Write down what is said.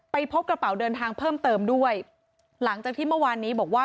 พบกระเป๋าเดินทางเพิ่มเติมด้วยหลังจากที่เมื่อวานนี้บอกว่า